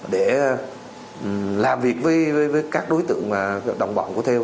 để làm việc với các đối tượng đồng bọn của theo